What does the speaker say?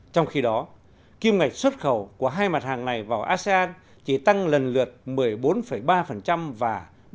trong khi đó kim ngạch xuất khẩu của hai mặt hàng này vào asean chỉ tăng lần lượt một mươi bốn ba và ba